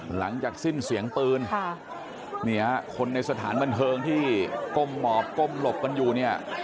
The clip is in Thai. หลังจากสิ้นเสียงปืนค่ะนี่ฮะคนในสถานบันเทิงที่ก้มหมอบก้มหลบกันอยู่เนี่ย